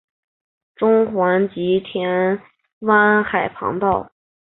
中环及田湾海旁道。